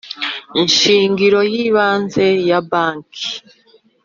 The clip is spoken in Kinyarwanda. Shingiro y ibanze ya banki